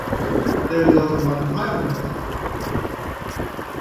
There is also one private high school.